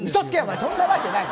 そんなわけない！